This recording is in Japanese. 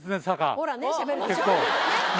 ほらね。